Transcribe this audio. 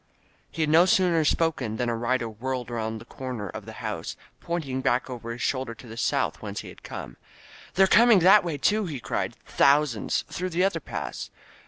He, had no sooner spoken than a rider whirled around the comer of the house, pointing back over his shoulder to the south, whence he had come. "They're coming that way, too," he cried. Thou sands! Through the other pass!